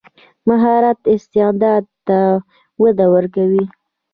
مهارت استعداد ته وده ورکوي.